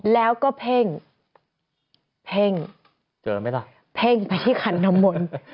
แล้วก็เพ่งเพ่งเจอไหมล่ะเพ่งไปที่ขันน้ำมนต์